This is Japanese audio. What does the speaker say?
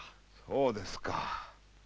そうですか。